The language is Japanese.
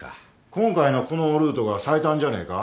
今回のこのルートが最短じゃねえか？